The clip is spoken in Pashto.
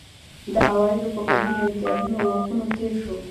د عوایدو په ګډون له امتیازونو او حقونو تېر شو.